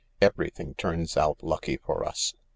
Everything turns out lucky for us.